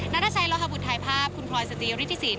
นัดอาชัยลหบุทธ์ถ่ายภาพคุณพลอยสจีย์ริธิศีล